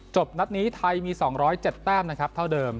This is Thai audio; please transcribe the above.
นัดนี้ไทยมี๒๐๗แต้มนะครับเท่าเดิม